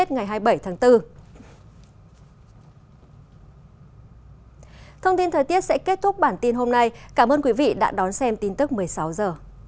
thông tin thời tiết sẽ kết thúc bản tin hôm nay cảm ơn quý vị đã đón xem tin tức một mươi sáu h